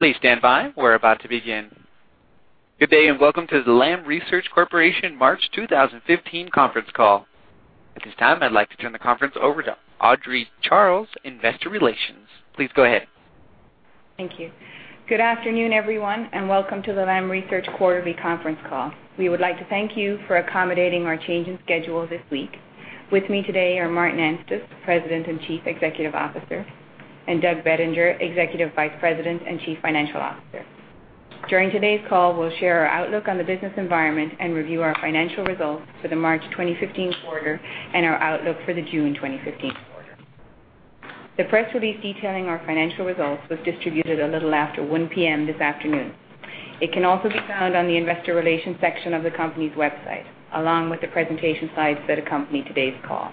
Please stand by. We're about to begin. Good day, welcome to the Lam Research Corporation March 2015 conference call. At this time, I'd like to turn the conference over to Audrey Charles, investor relations. Please go ahead. Thank you. Good afternoon, everyone, welcome to the Lam Research quarterly conference call. We would like to thank you for accommodating our change in schedule this week. With me today are Martin Anstice, President and Chief Executive Officer, and Douglas Bettinger, Executive Vice President and Chief Financial Officer. During today's call, we'll share our outlook on the business environment and review our financial results for the March 2015 quarter and our outlook for the June 2015 quarter. The press release detailing our financial results was distributed a little after 1:00 P.M. this afternoon. It can also be found on the investor relations section of the company's website, along with the presentation slides that accompany today's call.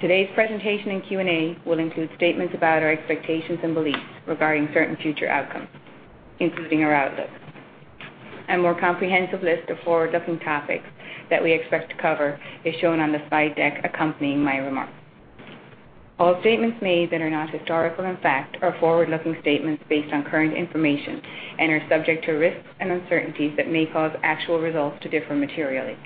Today's presentation and Q&A will include statements about our expectations and beliefs regarding certain future outcomes, including our outlook. A more comprehensive list of forward-looking topics that we expect to cover is shown on the slide deck accompanying my remarks. All statements made that are not historical in fact are forward-looking statements based on current information and are subject to risks and uncertainties that may cause actual results to differ materially.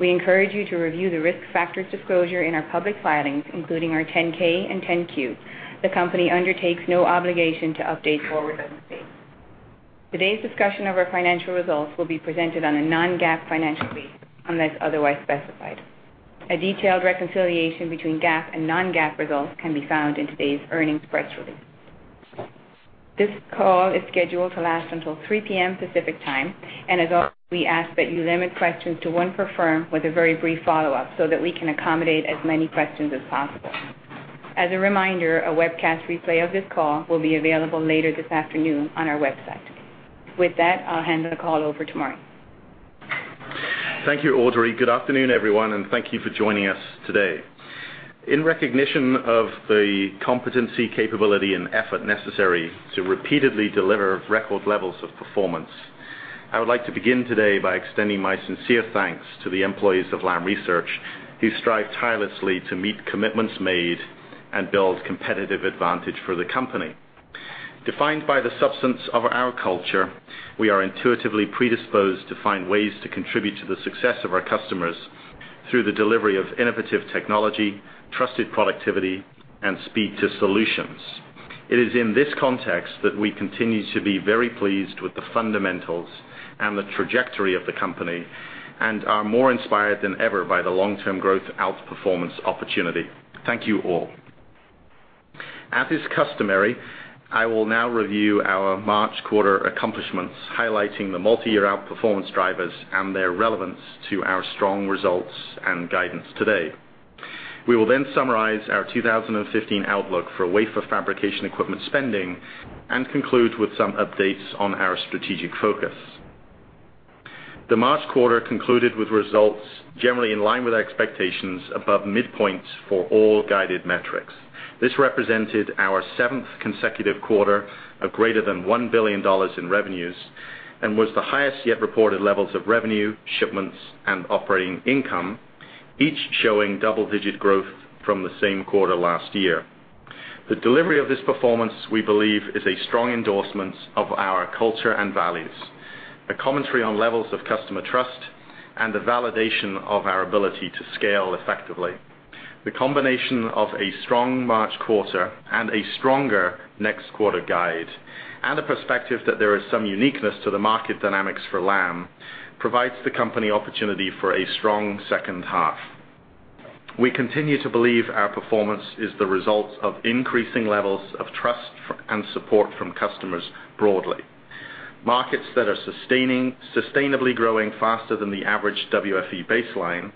We encourage you to review the risk factors disclosure in our public filings, including our 10-K and 10-Q. The company undertakes no obligation to update forward-looking statements. Today's discussion of our financial results will be presented on a non-GAAP financial base, unless otherwise specified. A detailed reconciliation between GAAP and non-GAAP results can be found in today's earnings press release. This call is scheduled to last until 3:00 P.M. Pacific Time, as always, we ask that you limit questions to one per firm with a very brief follow-up so that we can accommodate as many questions as possible. As a reminder, a webcast replay of this call will be available later this afternoon on our website. With that, I'll hand the call over to Martin. Thank you, Audrey. Good afternoon, everyone, and thank you for joining us today. In recognition of the competency, capability, and effort necessary to repeatedly deliver record levels of performance, I would like to begin today by extending my sincere thanks to the employees of Lam Research, who strive tirelessly to meet commitments made and build competitive advantage for the company. Defined by the substance of our culture, we are intuitively predisposed to find ways to contribute to the success of our customers through the delivery of innovative technology, trusted productivity, and speed to solutions. It is in this context that we continue to be very pleased with the fundamentals and the trajectory of the company and are more inspired than ever by the long-term growth outperformance opportunity. Thank you all. As is customary, I will now review our March quarter accomplishments, highlighting the multi-year outperformance drivers and their relevance to our strong results and guidance today. We will summarize our 2015 outlook for wafer fabrication equipment spending and conclude with some updates on our strategic focus. The March quarter concluded with results generally in line with our expectations above midpoints for all guided metrics. This represented our seventh consecutive quarter of greater than $1 billion in revenues and was the highest yet reported levels of revenue, shipments, and operating income, each showing double-digit growth from the same quarter last year. The delivery of this performance, we believe, is a strong endorsement of our culture and values, a commentary on levels of customer trust, and a validation of our ability to scale effectively. The combination of a strong March quarter and a stronger next quarter guide, and a perspective that there is some uniqueness to the market dynamics for Lam, provides the company opportunity for a strong second half. We continue to believe our performance is the result of increasing levels of trust and support from customers broadly. Markets that are sustainably growing faster than the average WFE baseline,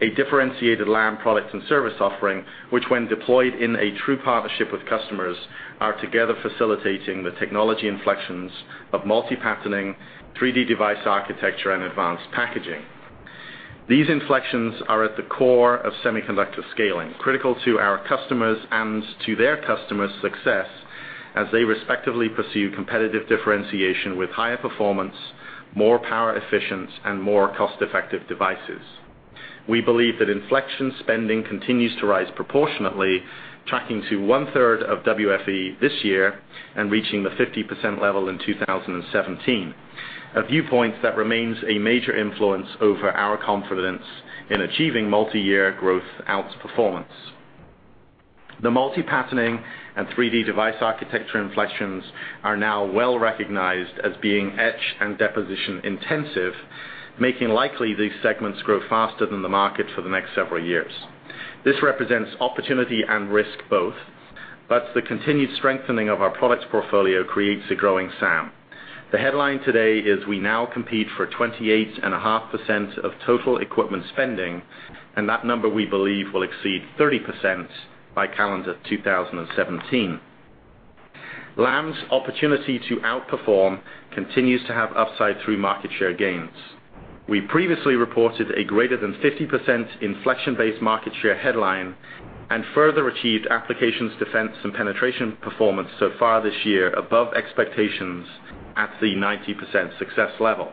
a differentiated Lam product and service offering, which when deployed in a true partnership with customers, are together facilitating the technology inflections of multi-patterning, 3D device architecture, and advanced packaging. These inflections are at the core of semiconductor scaling, critical to our customers' and to their customers' success as they respectively pursue competitive differentiation with higher performance, more power efficient, and more cost-effective devices. We believe that inflection spending continues to rise proportionately, tracking to one-third of WFE this year and reaching the 50% level in 2017, a viewpoint that remains a major influence over our confidence in achieving multi-year growth outperformance. The multi-patterning and 3D device architecture inflections are now well recognized as being etch and deposition intensive, making likely these segments grow faster than the market for the next several years. The continued strengthening of our product portfolio creates a growing SAM. That number, we believe, will exceed 30% by calendar 2017. Lam's opportunity to outperform continues to have upside through market share gains. We previously reported a greater than 50% inflection-based market share headline and further achieved applications defense and penetration performance so far this year above expectations at the 90% success level.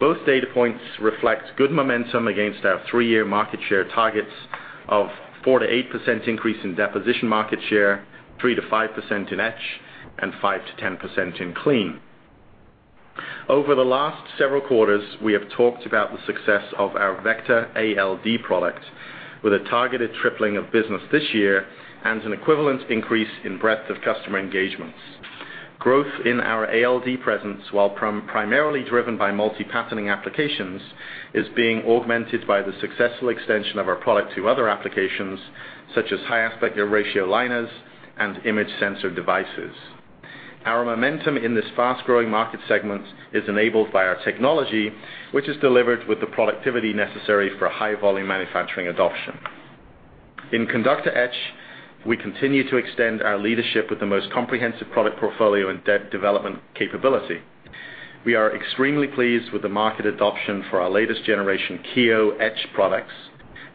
Both data points reflect good momentum against our three-year market share targets of 4%-8% increase in deposition market share, 3%-5% in etch, and 5%-10% in clean. Over the last several quarters, we have talked about the success of our VECTOR ALD product with a targeted tripling of business this year and an equivalent increase in breadth of customer engagements. Growth in our ALD presence, while primarily driven by multi-patterning applications, is being augmented by the successful extension of our product to other applications, such as high aspect ratio liners and image sensor devices. Our momentum in this fast-growing market segment is enabled by our technology, which is delivered with the productivity necessary for high-volume manufacturing adoption. In conductor etch, we continue to extend our leadership with the most comprehensive product portfolio and development capability. We are extremely pleased with the market adoption for our latest generation Kiyo etch products.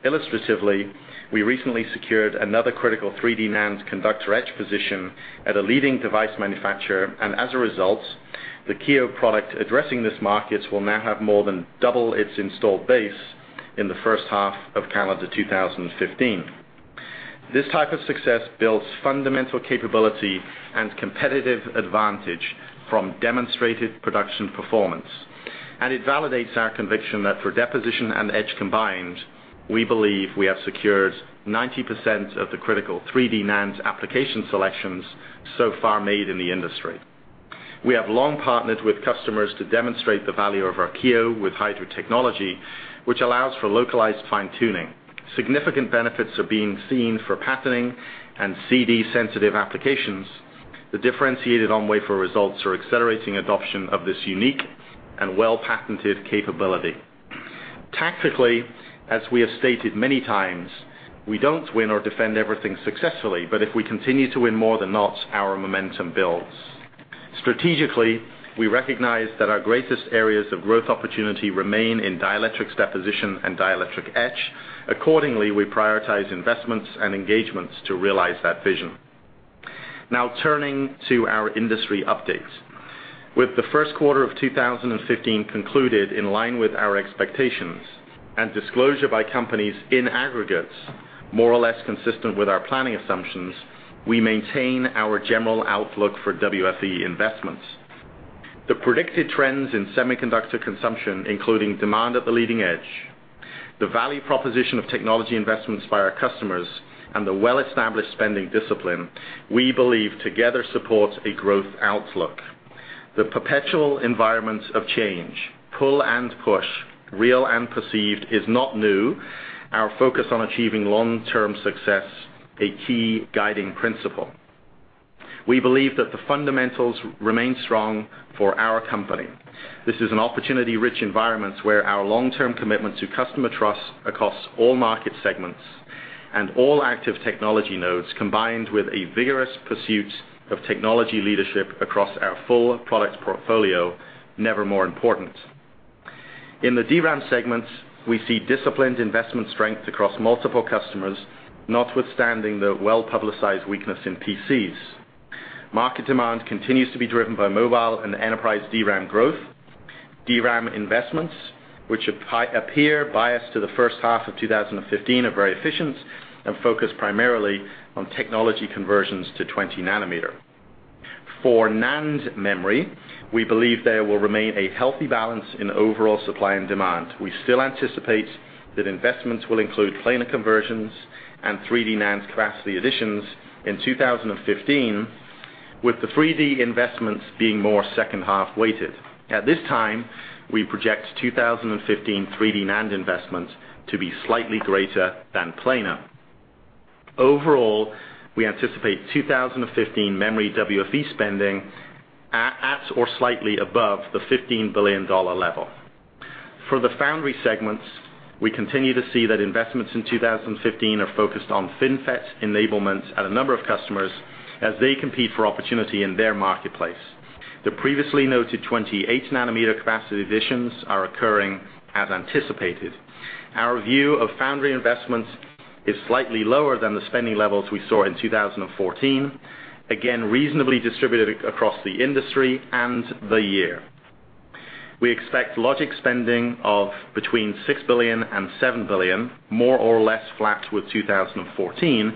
Illustratively, we recently secured another critical 3D NAND conductor etch position at a leading device manufacturer, and as a result, the Kiyo product addressing this market will now have more than double its installed base in the first half of calendar 2015. This type of success builds fundamental capability and competitive advantage from demonstrated production performance, and it validates our conviction that for deposition and etch combined, we believe we have secured 90% of the critical 3D NAND application selections so far made in the industry. We have long partnered with customers to demonstrate the value of our Kiyo with Hydra technology, which allows for localized fine-tuning. Significant benefits are being seen for patterning and CD-sensitive applications. The differentiated on-wafer results are accelerating adoption of this unique and well-patented capability. Tactically, as we have stated many times, we don't win or defend everything successfully, but if we continue to win more than not, our momentum builds. Strategically, we recognize that our greatest areas of growth opportunity remain in dielectrics deposition and dielectric etch. Accordingly, we prioritize investments and engagements to realize that vision. Now turning to our industry updates. With the first quarter of 2015 concluded in line with our expectations and disclosure by companies in aggregate more or less consistent with our planning assumptions, we maintain our general outlook for WFE investments. The predicted trends in semiconductor consumption, including demand at the leading edge, the value proposition of technology investments by our customers, and the well-established spending discipline, we believe together support a growth outlook. The perpetual environment of change, pull and push, real and perceived, is not new. Our focus on achieving long-term success, a key guiding principle. We believe that the fundamentals remain strong for our company. This is an opportunity-rich environment where our long-term commitment to customer trust across all market segments and all active technology nodes, combined with a vigorous pursuit of technology leadership across our full product portfolio, never more important. In the DRAM segment, we see disciplined investment strength across multiple customers, notwithstanding the well-publicized weakness in PCs. Market demand continues to be driven by mobile and enterprise DRAM growth. DRAM investments, which appear biased to the first half of 2015, are very efficient and focused primarily on technology conversions to 20 nanometer. For NAND memory, we believe there will remain a healthy balance in overall supply and demand. We still anticipate that investments will include planar conversions and 3D NAND capacity additions in 2015, with the 3D investments being more second half weighted. At this time, we project 2015 3D NAND investments to be slightly greater than planar. Overall, we anticipate 2015 memory WFE spending at or slightly above the $15 billion level. For the foundry segment, we continue to see that investments in 2015 are focused on FinFET enablement at a number of customers as they compete for opportunity in their marketplace. The previously noted 28 nanometer capacity additions are occurring as anticipated. Our view of foundry investments is slightly lower than the spending levels we saw in 2014, again, reasonably distributed across the industry and the year. We expect logic spending of between $6 billion and $7 billion, more or less flat with 2014,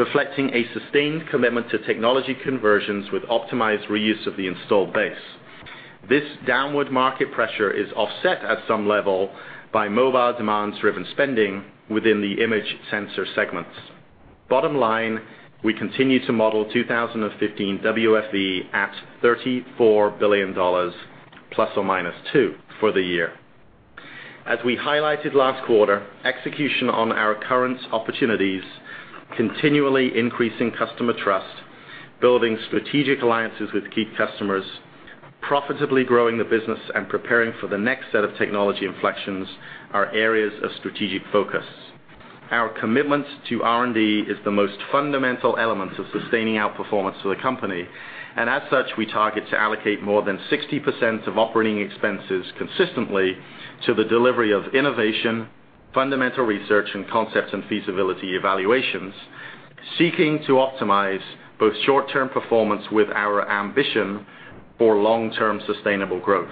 reflecting a sustained commitment to technology conversions with optimized reuse of the installed base. This downward market pressure is offset at some level by mobile demand-driven spending within the image sensor segments. Bottom line, we continue to model 2015 WFE at $34 billion ±$200 million for the year. As we highlighted last quarter, execution on our current opportunities, continually increasing customer trust, building strategic alliances with key customers, profitably growing the business, and preparing for the next set of technology inflections are areas of strategic focus. Our commitment to R&D is the most fundamental element of sustaining outperformance for the company, and as such, we target to allocate more than 60% of operating expenses consistently to the delivery of innovation, fundamental research, and concepts and feasibility evaluations. Seeking to optimize both short-term performance with our ambition for long-term sustainable growth.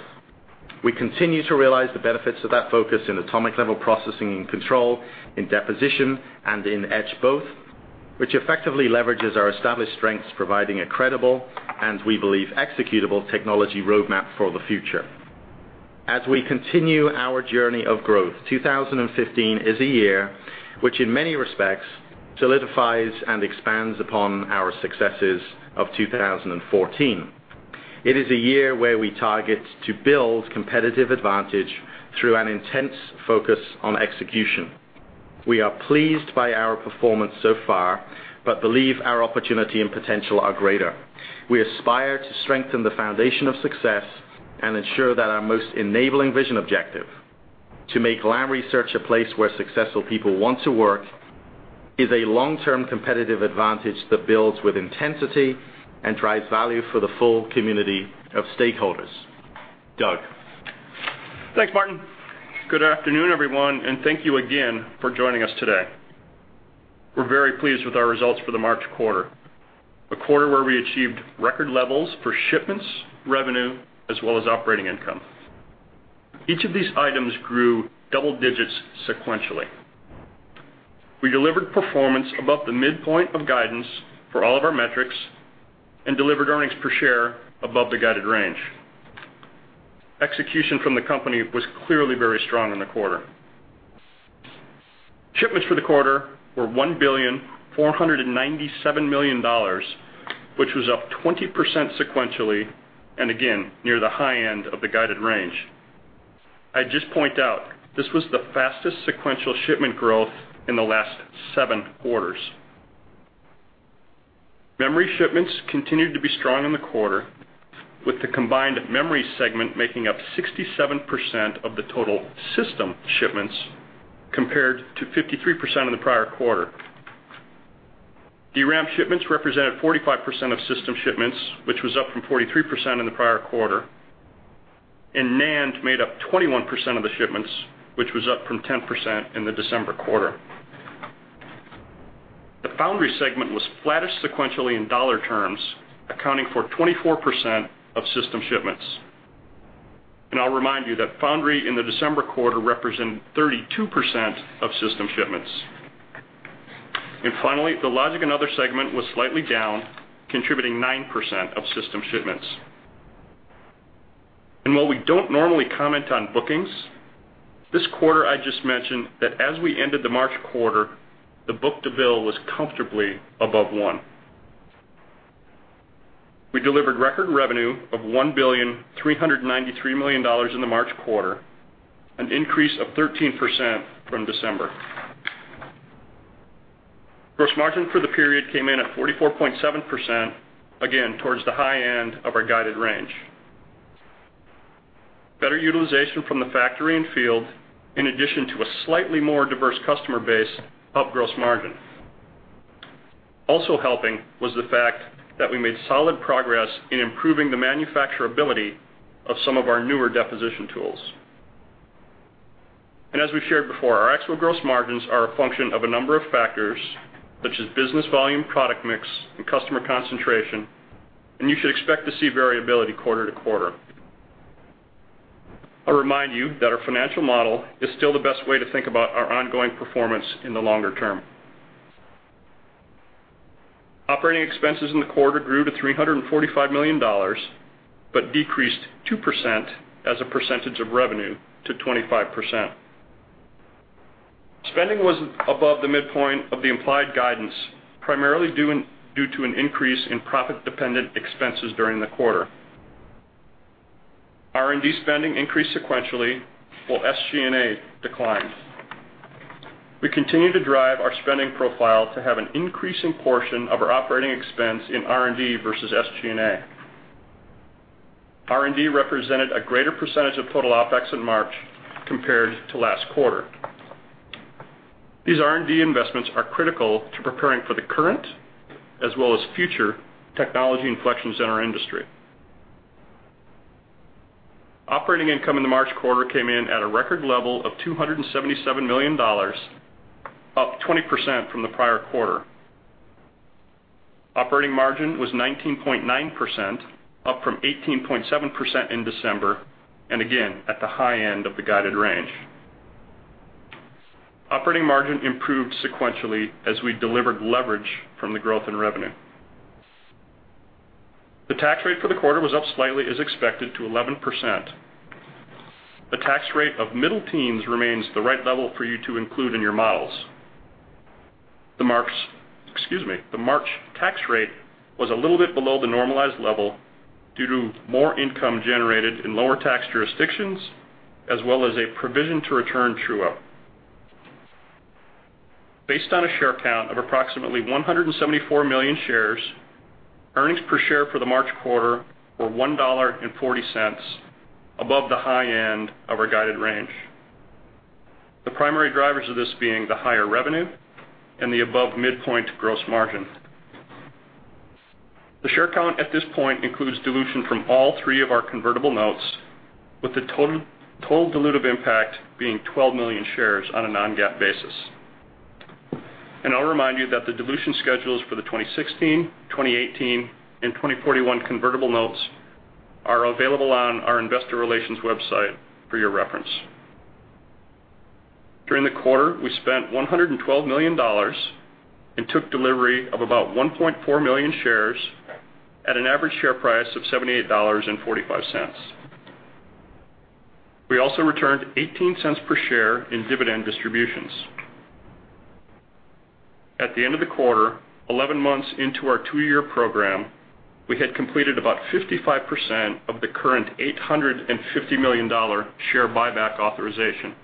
We continue to realize the benefits of that focus in atomic layer processing and control, in deposition and in etch both, which effectively leverages our established strengths, providing a credible, and we believe executable technology roadmap for the future. As we continue our journey of growth, 2015 is a year which in many respects solidifies and expands upon our successes of 2014. It is a year where we target to build competitive advantage through an intense focus on execution. We are pleased by our performance so far, but believe our opportunity and potential are greater. We aspire to strengthen the foundation of success and ensure that our most enabling vision objective, to make Lam Research a place where successful people want to work, is a long-term competitive advantage that builds with intensity and drives value for the full community of stakeholders. Doug. Thanks, Martin. Good afternoon, everyone, and thank you again for joining us today. We're very pleased with our results for the March quarter, a quarter where we achieved record levels for shipments, revenue, as well as operating income. Each of these items grew double digits sequentially. We delivered performance above the midpoint of guidance for all of our metrics and delivered earnings per share above the guided range. Execution from the company was clearly very strong in the quarter. Shipments for the quarter were $1,497,000,000, which was up 20% sequentially, and again, near the high end of the guided range. I'd just point out this was the fastest sequential shipment growth in the last seven quarters. Memory shipments continued to be strong in the quarter, with the combined memory segment making up 67% of the total system shipments, compared to 53% in the prior quarter. DRAM shipments represented 45% of system shipments, which was up from 43% in the prior quarter. NAND made up 21% of the shipments, which was up from 10% in the December quarter. The foundry segment was flattest sequentially in dollar terms, accounting for 24% of system shipments. I'll remind you that foundry in the December quarter represented 32% of system shipments. Finally, the logic and other segment was slightly down, contributing 9% of system shipments. While we don't normally comment on bookings, this quarter, I'd just mention that as we ended the March quarter, the book-to-bill was comfortably above one. We delivered record revenue of $1,393,000,000 in the March quarter, an increase of 13% from December. Gross margin for the period came in at 44.7%, again, towards the high end of our guided range. Better utilization from the factory and field, in addition to a slightly more diverse customer base, up gross margin. Also helping was the fact that we made solid progress in improving the manufacturability of some of our newer deposition tools. As we've shared before, our actual gross margins are a function of a number of factors such as business volume, product mix, and customer concentration, and you should expect to see variability quarter-to-quarter. I'll remind you that our financial model is still the best way to think about our ongoing performance in the longer term. Operating expenses in the quarter grew to $345 million, but decreased 2% as a percentage of revenue to 25%. Spending was above the midpoint of the implied guidance, primarily due to an increase in profit-dependent expenses during the quarter. R&D spending increased sequentially, while SG&A declined. We continue to drive our spending profile to have an increasing portion of our operating expense in R&D versus SG&A. R&D represented a greater percentage of total OpEx in March compared to last quarter. These R&D investments are critical to preparing for the current as well as future technology inflections in our industry. Operating income in the March quarter came in at a record level of $277 million, up 20% from the prior quarter. Operating margin was 19.9%, up from 18.7% in December, and again, at the high end of the guided range. Operating margin improved sequentially as we delivered leverage from the growth in revenue. The tax rate for the quarter was up slightly, as expected, to 11%. The tax rate of middle teens remains the right level for you to include in your models. The March tax rate was a little bit below the normalized level due to more income generated in lower tax jurisdictions, as well as a provision to return true-up. Based on a share count of approximately 174 million shares, earnings per share for the March quarter were $1.40, above the high end of our guided range. The primary drivers of this being the higher revenue and the above midpoint gross margin. The share count at this point includes dilution from all three of our convertible notes, with the total dilutive impact being 12 million shares on a non-GAAP basis. I'll remind you that the dilution schedules for the 2016, 2018 and 2041 convertible notes are available on our investor relations website for your reference. During the quarter, we spent $112 million and took delivery of about 1.4 million shares at an average share price of $78.45. We also returned $0.18 per share in dividend distributions. At the end of the quarter, 11 months into our two-year program, we had completed about 55% of the current $850 million share buyback authorization.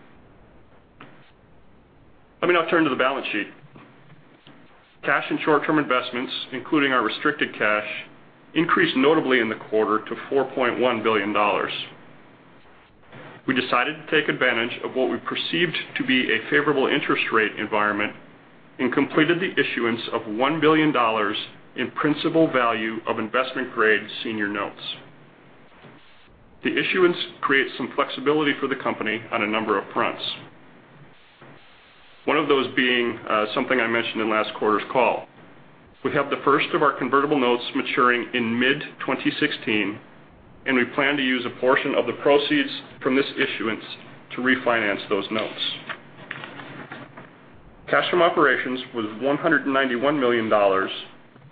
Let me now turn to the balance sheet. Cash and short-term investments, including our restricted cash, increased notably in the quarter to $4.1 billion. We decided to take advantage of what we perceived to be a favorable interest rate environment and completed the issuance of $1 billion in principal value of investment-grade senior notes. The issuance creates some flexibility for the company on a number of fronts. One of those being something I mentioned in last quarter's call. We have the first of our convertible notes maturing in mid-2016, and we plan to use a portion of the proceeds from this issuance to refinance those notes. Cash from operations was $191 million,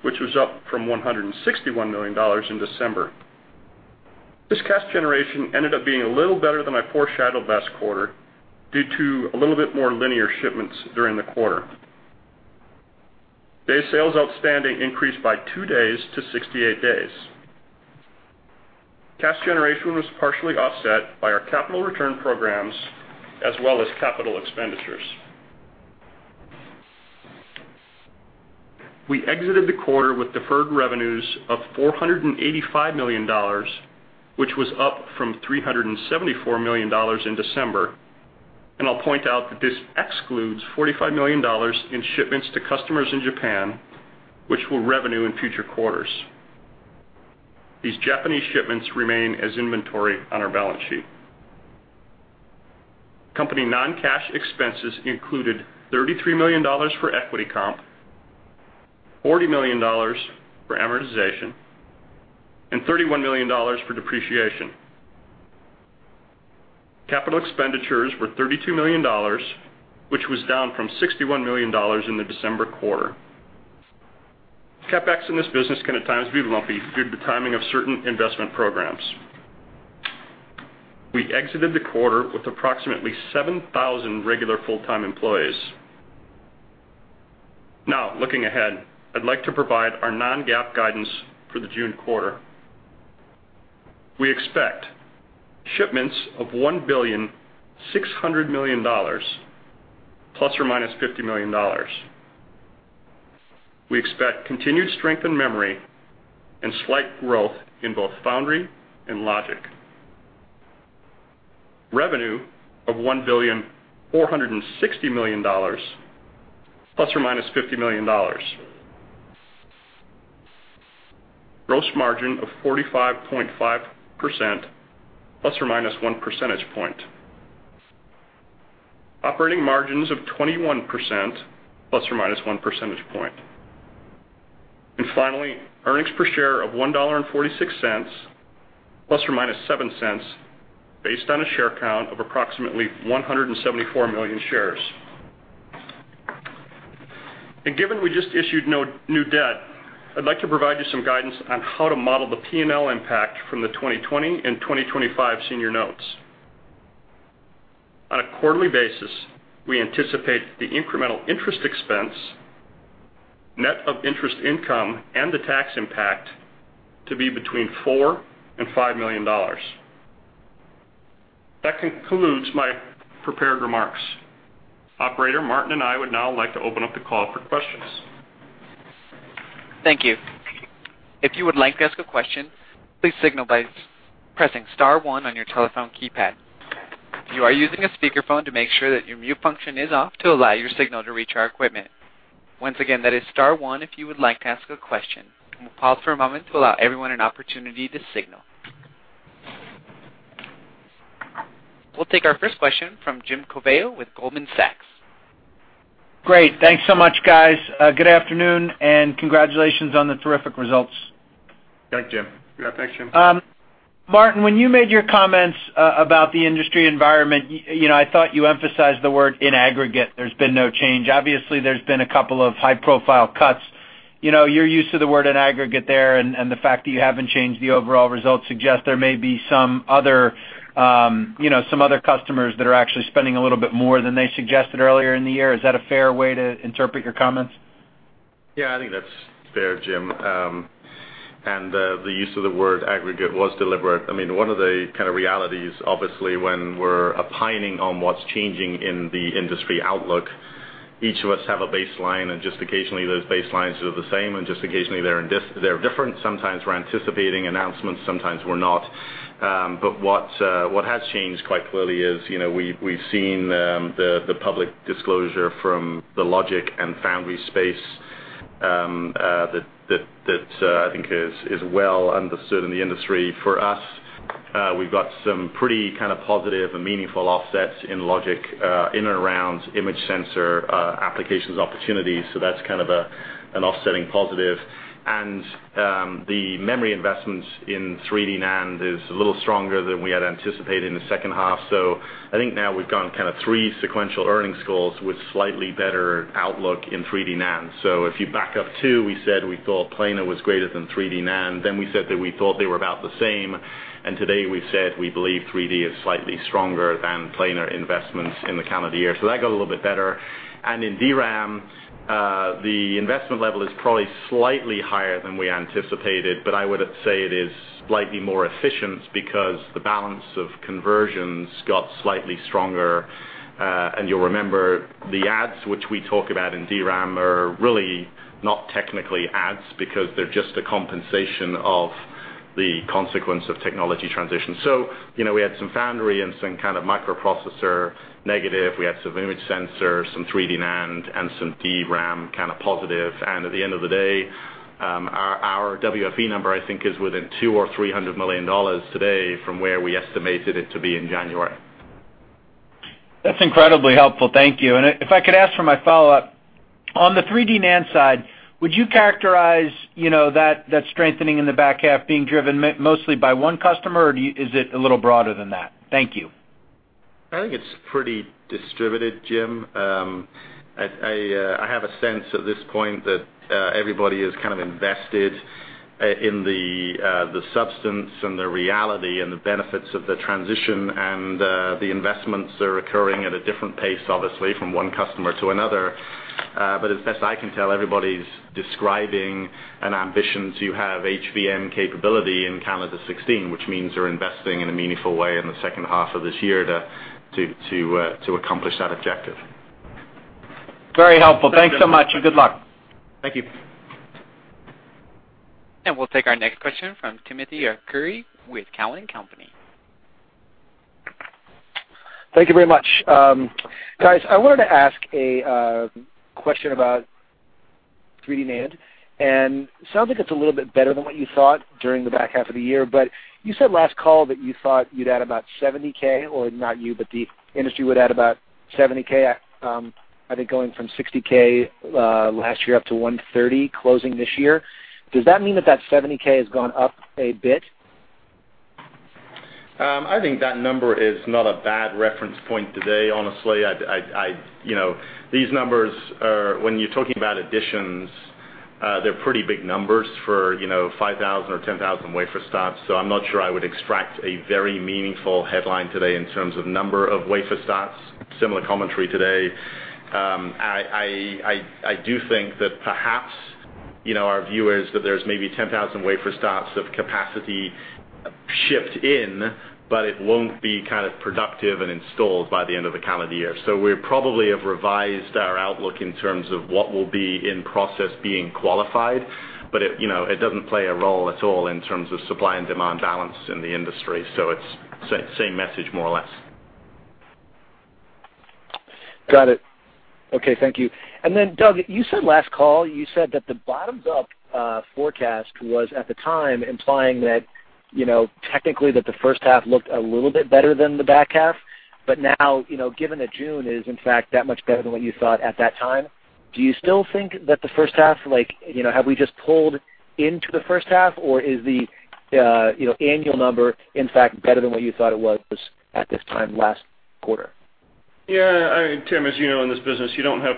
which was up from $161 million in December. This cash generation ended up being a little better than I foreshadowed last quarter, due to a little bit more linear shipments during the quarter. Day sales outstanding increased by two days to 68 days. Cash generation was partially offset by our capital return programs as well as capital expenditures. We exited the quarter with deferred revenues of $485 million, which was up from $374 million in December. I'll point out that this excludes $45 million in shipments to customers in Japan, which will revenue in future quarters. These Japanese shipments remain as inventory on our balance sheet. Company non-cash expenses included $33 million for equity comp, $40 million for amortization, and $31 million for depreciation. Capital expenditures were $32 million, which was down from $61 million in the December quarter. CapEx in this business can at times be lumpy due to the timing of certain investment programs. We exited the quarter with approximately 7,000 regular full-time employees. Now, looking ahead, I'd like to provide our non-GAAP guidance for the June quarter. We expect shipments of $1 billion, $600 million ±$50 million. We expect continued strength in memory and slight growth in both foundry and logic. Revenue of $1 billion, $460 million ±$50 million. Gross margin of 45.5% ± one percentage point. Operating margins of 21% ± one percentage point. Finally, earnings per share of $1.46 ±$0.07, based on a share count of approximately 174 million shares. Given we just issued new debt, I'd like to provide you some guidance on how to model the P&L impact from the 2020 and 2025 senior notes. On a quarterly basis, we anticipate the incremental interest expense, net of interest income and the tax impact to be between $4 million and $5 million. That concludes my prepared remarks. Operator, Martin and I would now like to open up the call for questions. Thank you. If you would like to ask a question, please signal by pressing star one on your telephone keypad. If you are using a speakerphone to make sure that your mute function is off to allow your signal to reach our equipment. Once again, that is star one if you would like to ask a question. We'll pause for a moment to allow everyone an opportunity to signal. We'll take our first question from Jim Covello with Goldman Sachs. Great. Thanks so much, guys. Good afternoon and congratulations on the terrific results. Thanks, Jim. Thanks, Jim. Martin, when you made your comments about the industry environment, I thought you emphasized the word in aggregate, there's been no change. Obviously, there's been a couple of high-profile cuts. You're used to the word in aggregate there, and the fact that you haven't changed the overall results suggest there may be some other customers that are actually spending a little bit more than they suggested earlier in the year. Is that a fair way to interpret your comments? I think that's fair, Jim. The use of the word aggregate was deliberate. One of the kind of realities, obviously, when we're opining on what's changing in the industry outlook, each of us have a baseline, and just occasionally those baselines are the same, and just occasionally they're different. Sometimes we're anticipating announcements, sometimes we're not. What has changed quite clearly is, we've seen the public disclosure from the logic and foundry space, that I think is well understood in the industry. For us, we've got some pretty positive and meaningful offsets in logic, in and around image sensor applications opportunities. That's an offsetting positive. The memory investments in 3D NAND is a little stronger than we had anticipated in the second half. I think now we've gone three sequential earnings calls with slightly better outlook in 3D NAND. If you back up two, we said we thought planar was greater than 3D NAND, then we said that we thought they were about the same. Today we've said we believe 3D is slightly stronger than planar investments in the calendar year. That got a little bit better. In DRAM, the investment level is probably slightly higher than we anticipated, but I would say it is slightly more efficient because the balance of conversions got slightly stronger. You'll remember the ads which we talk about in DRAM are really not technically ads because they're just a compensation of the consequence of technology transition. We had some foundry and some kind of microprocessor negative. We had some image sensor, some 3D NAND, and some DRAM positive. At the end of the day, our WFE number, I think, is within $200 million or $300 million today from where we estimated it to be in January. That's incredibly helpful. Thank you. If I could ask for my follow-up. On the 3D NAND side, would you characterize that strengthening in the back half being driven mostly by one customer, or is it a little broader than that? Thank you. I think it's pretty distributed, Jim. I have a sense at this point that everybody is invested in the substance and the reality and the benefits of the transition, the investments are occurring at a different pace, obviously, from one customer to another. As best I can tell, everybody's describing an ambition to have HVM capability in calendar 2016, which means they're investing in a meaningful way in the second half of this year to accomplish that objective. Very helpful. Thanks so much and good luck. Thank you. We'll take our next question from Timothy Arcuri with Cowen and Company. Thank you very much. Guys, I wanted to ask a question about 3D NAND. It sounds like it's a little bit better than what you thought during the back half of the year, but you said last call that you thought you'd add about 70K, or not you, but the industry would add about 70K, I think going from 60K last year up to 130 closing this year. Does that mean that that 70K has gone up a bit? I think that number is not a bad reference point today, honestly. These numbers are, when you're talking about additions, they're pretty big numbers for 5,000 or 10,000 wafer starts. I'm not sure I would extract a very meaningful headline today in terms of number of wafer starts. Similar commentary today. I do think that perhaps our view is that there's maybe 10,000 wafer starts of capacity shipped in, but it won't be productive and installed by the end of the calendar year. We probably have revised our outlook in terms of what will be in process being qualified, but it doesn't play a role at all in terms of supply and demand balance in the industry. It's same message, more or less. Got it. Okay, thank you. Doug, you said last call, you said that the bottoms-up forecast was, at the time, implying that technically that the first half looked a little bit better than the back half. Now, given that June is in fact that much better than what you thought at that time, do you still think that the first half like, have we just pulled into the first half or is the annual number, in fact, better than what you thought it was at this time last quarter? Yeah. Tim, as you know, in this business, you don't have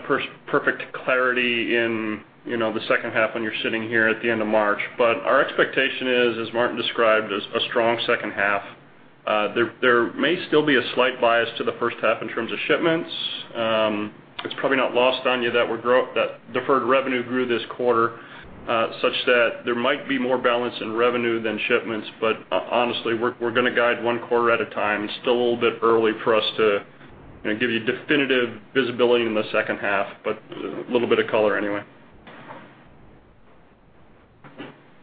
perfect clarity in the second half when you're sitting here at the end of March. Our expectation is, as Martin described, is a strong second half. There may still be a slight bias to the first half in terms of shipments. It's probably not lost on you that deferred revenue grew this quarter, such that there might be more balance in revenue than shipments. Honestly, we're going to guide one quarter at a time. It's still a little bit early for us to give you definitive visibility in the second half, but a little bit of color anyway.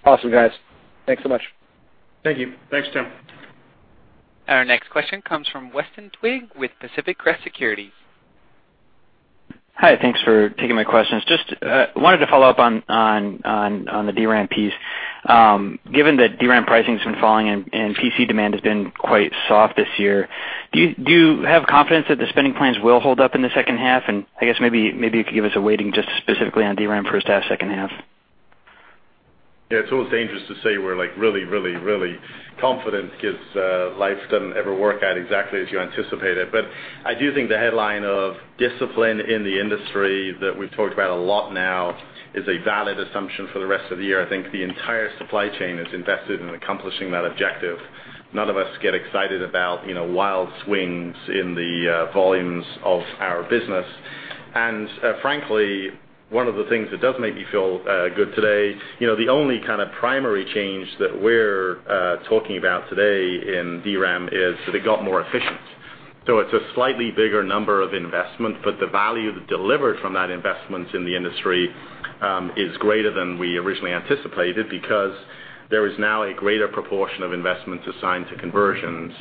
Awesome, guys. Thanks so much. Thank you. Thanks, Tim. Our next question comes from Weston Twigg with Pacific Crest Securities. Hi. Thanks for taking my questions. Just wanted to follow up on the DRAM piece. Given that DRAM pricing's been falling and PC demand has been quite soft this year, do you have confidence that the spending plans will hold up in the second half? I guess maybe you could give us a weighting just specifically on DRAM first half, second half. Yeah. It's almost dangerous to say we're like really confident because life doesn't ever work out exactly as you anticipate it. I do think the headline of discipline in the industry that we've talked about a lot now is a valid assumption for the rest of the year. I think the entire supply chain is invested in accomplishing that objective. None of us get excited about wild swings in the volumes of our business. Frankly, one of the things that does make me feel good today, the only kind of primary change that we're talking about today in DRAM is that it got more efficient. It's a slightly bigger number of investment, but the value delivered from that investment in the industry, is greater than we originally anticipated, because there is now a greater proportion of investment assigned to conversions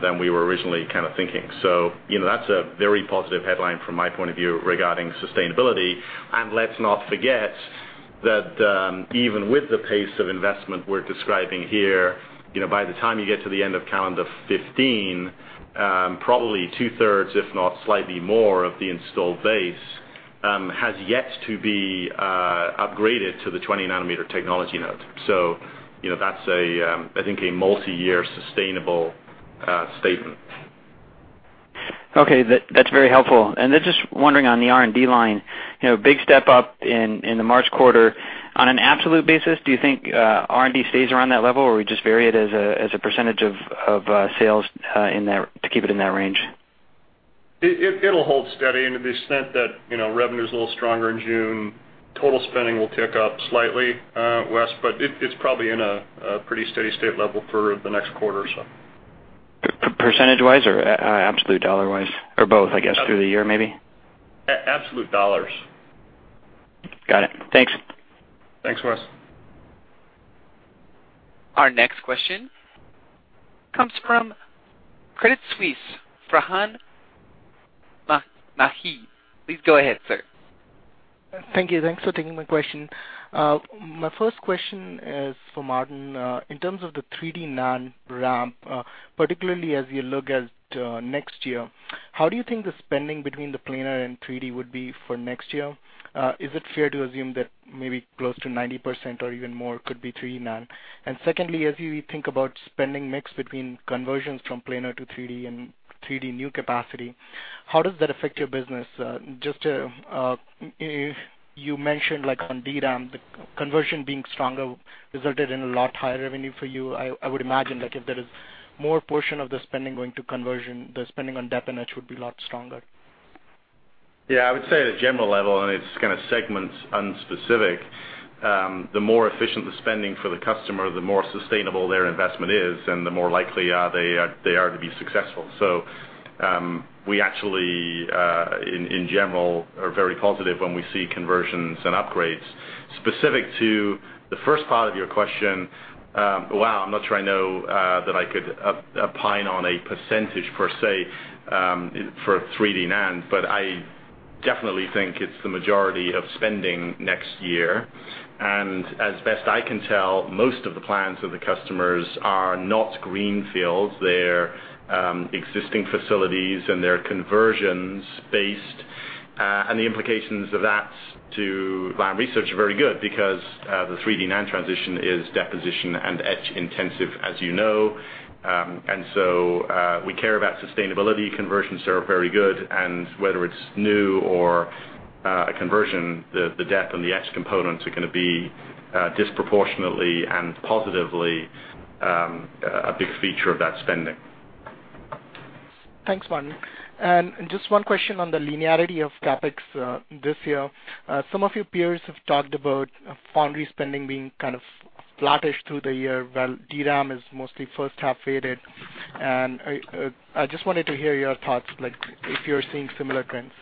than we were originally kind of thinking. That's a very positive headline from my point of view regarding sustainability. Let's not forget that, even with the pace of investment we're describing here, by the time you get to the end of calendar 2015, probably two-thirds, if not slightly more of the installed base, has yet to be upgraded to the 20 nanometer technology node. That's, I think, a multi-year sustainable statement. Okay. That's very helpful. Just wondering on the R&D line, big step up in the March quarter. On an absolute basis, do you think R&D stays around that level, or we just vary it as a % of sales, to keep it in that range? It'll hold steady, and to the extent that revenue's a little stronger in June, total spending will tick up slightly, Wes. It's probably in a pretty steady state level for the next quarter or so. %-wise or absolute dollar-wise? Both, I guess, through the year, maybe. Absolute dollars. Got it. Thanks. Thanks, Wes. Our next question comes from Credit Suisse, Farhan Ahmad. Please go ahead, sir. Thank you. Thanks for taking my question. My first question is for Martin. In terms of the 3D NAND ramp, particularly as you look at next year, how do you think the spending between the planar and 3D would be for next year? Is it fair to assume that maybe close to 90% or even more could be 3D NAND? Secondly, as you think about spending mix between conversions from planar to 3D and 3D new capacity, how does that affect your business? You mentioned like on DRAM, the conversion being stronger resulted in a lot higher revenue for you. I would imagine like if there is more portion of the spending going to conversion, the spending on dep and etch would be a lot stronger. I would say at a general level, it's kind of segments unspecific, the more efficient the spending for the customer, the more sustainable their investment is, and the more likely they are to be successful. We actually, in general, are very positive when we see conversions and upgrades. Specific to the first part of your question, wow, I'm not sure I know that I could opine on a percentage per se, for 3D NAND, but I definitely think it's the majority of spending next year. As best I can tell, most of the plans of the customers are not greenfields. They're existing facilities, and they're conversions based. The implications of that to Lam Research are very good because, the 3D NAND transition is deposition and etch intensive, as you know. We care about sustainability. Conversions are very good, and whether it's new or a conversion, the dep and the etch components are going to be disproportionately and positively, a big feature of that spending. Thanks, Martin. Just one question on the linearity of CapEx, this year. Some of your peers have talked about foundry spending being kind of flattish through the year, while DRAM is mostly first half faded. I just wanted to hear your thoughts, like if you're seeing similar trends.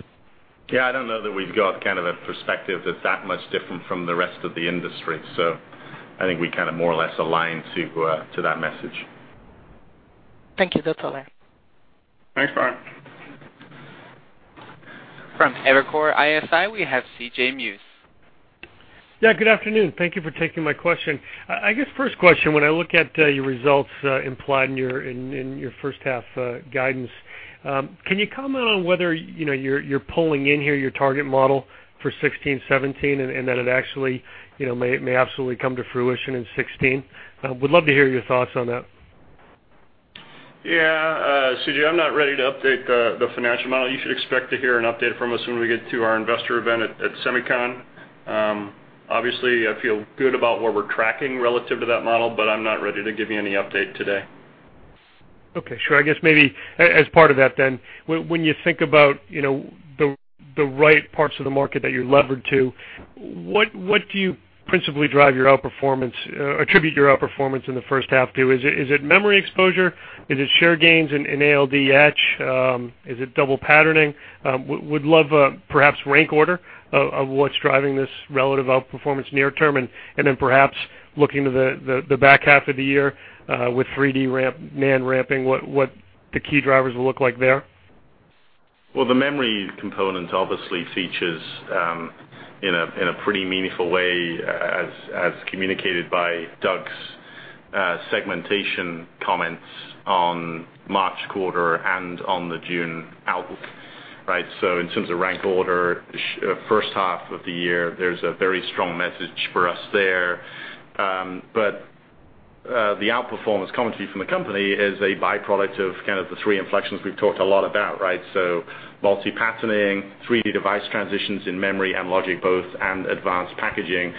Yeah, I don't know that we've got kind of a perspective that's that much different from the rest of the industry. I think we kind of more or less align to that message. Thank you. That's all I have. Thanks, Farhan. From Evercore ISI, we have C.J. Muse. Yeah, good afternoon. Thank you for taking my question. I guess first question, when I look at your results implied in your first half guidance, can you comment on whether you're pulling in here your target model for 2016, 2017, that it may absolutely come to fruition in 2016? Would love to hear your thoughts on that. Yeah. C.J. I'm not ready to update the financial model. You should expect to hear an update from us when we get to our investor event at SEMICON. I feel good about where we're tracking relative to that model, I'm not ready to give you any update today. Okay, sure. I guess maybe as part of that then, when you think about the right parts of the market that you're levered to, what do you principally attribute your outperformance in the first half to? Is it memory exposure? Is it share gains in ALD etch? Is it double patterning? Would love perhaps rank order of what's driving this relative outperformance near term, then perhaps looking to the back half of the year, with 3D NAND ramping, what the key drivers will look like there. Well, the memory component obviously features in a pretty meaningful way as communicated by Doug's segmentation comments on March quarter and on the June outlook, right? In terms of rank order, first half of the year, there's a very strong message for us there. The outperformance commentary from the company is a byproduct of kind of the three inflections we've talked a lot about, right? Multi-patterning, 3D device transitions in memory and logic both, advanced packaging.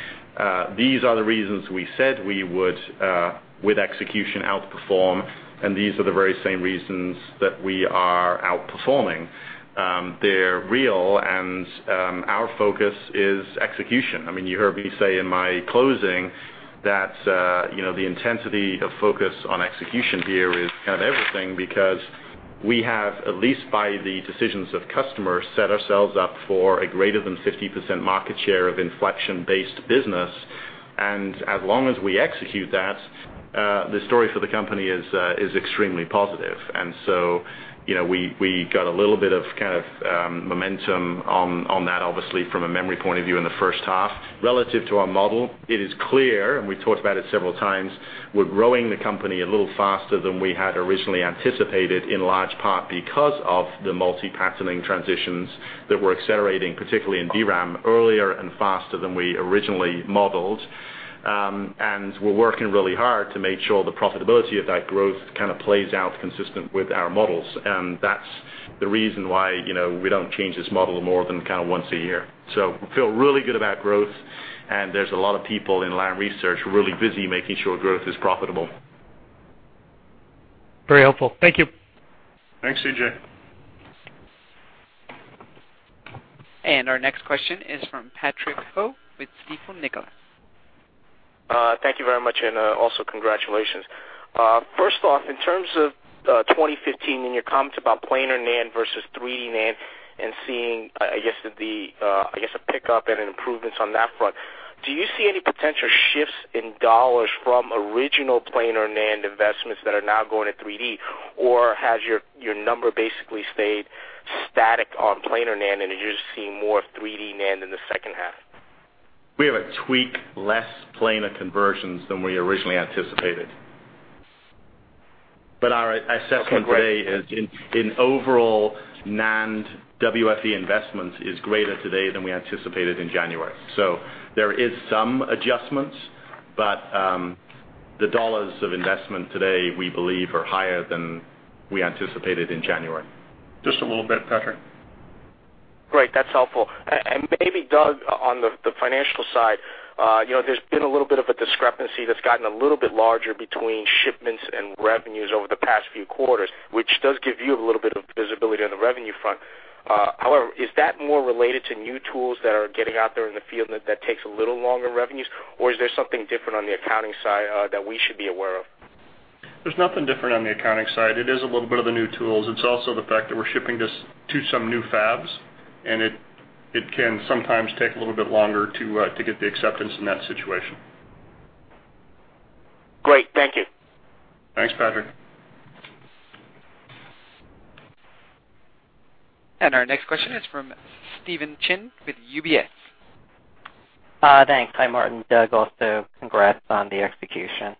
These are the reasons we said we would, with execution, outperform, these are the very same reasons that we are outperforming. They're real, our focus is execution. You heard me say in my closing that the intensity of focus on execution here is kind of everything, because we have, at least by the decisions of customers, set ourselves up for a greater than 50% market share of inflection-based business. As long as we execute that, the story for the company is extremely positive. We got a little bit of momentum on that, obviously, from a memory point of view in the first half. Relative to our model, it is clear, and we've talked about it several times, we're growing the company a little faster than we had originally anticipated, in large part because of the multi-patterning transitions that were accelerating, particularly in DRAM, earlier and faster than we originally modeled. We're working really hard to make sure the profitability of that growth kind of plays out consistent with our models. That's the reason why we don't change this model more than kind of once a year. We feel really good about growth, and there's a lot of people in Lam Research who are really busy making sure growth is profitable. Very helpful. Thank you. Thanks, C.J. Our next question is from Patrick Ho with Stifel Nicolaus. Thank you very much, and also congratulations. First off, in terms of 2015, your comments about planar NAND versus 3D NAND and seeing, I guess, a pickup and improvements on that front, do you see any potential shifts in dollars from original planar NAND investments that are now going to 3D? Or has your number basically stayed static on planar NAND, and you're just seeing more of 3D NAND in the second half? We have a tweak less planar conversions than we originally anticipated. Our assessment today is in overall NAND WFE investment is greater today than we anticipated in January. There is some adjustments, but the dollars of investment today, we believe, are higher than we anticipated in January. Just a little bit, Patrick. Great. That's helpful. Maybe, Doug, on the financial side, there's been a little bit of a discrepancy that's gotten a little bit larger between shipments and revenues over the past few quarters, which does give you a little bit of visibility on the revenue front. However, is that more related to new tools that are getting out there in the field that takes a little longer revenues, or is there something different on the accounting side that we should be aware of? There's nothing different on the accounting side. It is a little bit of the new tools. It's also the fact that we're shipping this to some new fabs, it can sometimes take a little bit longer to get the acceptance in that situation. Great. Thank you. Thanks, Patrick. Our next question is from Stephen Chin with UBS. Thanks. Hi, Martin. Doug, also, congrats on the execution.